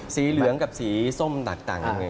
สีเหลืองกับสีส้มต่างยังไงครับ